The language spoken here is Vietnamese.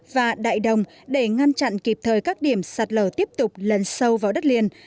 và đại đồng để ngăn chặn kịp thời các điểm sạt lở tiếp tục lấn sâu vào đất liền